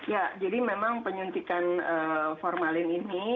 ya jadi memang penyuntikan formalin ini